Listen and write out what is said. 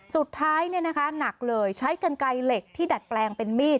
สุดท้ายนี่นะคะหนักเลยใช้กันไก่เหล็กที่ดัดแปลงเป็นมีด